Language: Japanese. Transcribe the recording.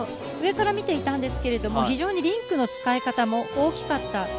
上から見ていたんですが、非常にリンクの使い方も大きかった。